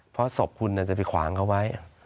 เพราะศพคุณจะไปขวางเขาไว้